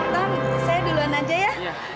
tony saya duluan aja ya